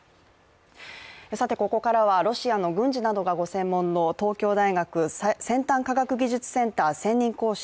ここからはロシアの軍事などがご専門の東京大学先端科学技術センター専任講師